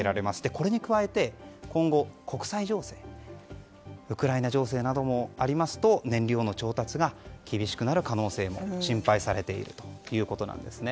これに加えて、今後、国際情勢ウクライナ情勢などもありますと燃料の調達が厳しくなる可能性も心配されているということです。